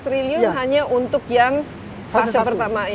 tujuh belas triliun hanya untuk yang fase pertama ini